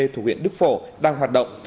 thuộc huyện đức phổ đang hoạt động